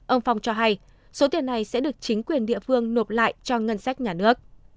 ông phong cho hay số tiền này sẽ được chính quyền địa phương nộp lại cho ngân sách nhà nước